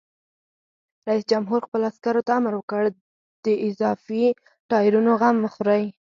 رئیس جمهور خپلو عسکرو ته امر وکړ؛ د اضافي ټایرونو غم وخورئ!